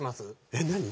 えっ何？